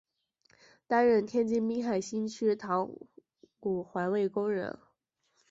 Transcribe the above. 担任天津滨海新区塘沽环卫工人。